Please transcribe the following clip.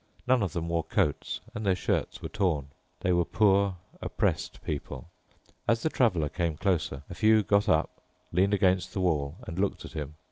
None of them wore coats, and their shirts were torn. They were poor, oppressed people. As the Traveler came closer, a few got up, leaned against the wall, and looked at him.